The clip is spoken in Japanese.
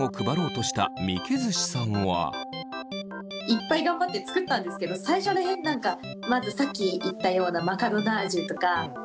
いっぱい頑張って作ったんですけど最初ら辺何かまずさっき言ったようなあなるほどね。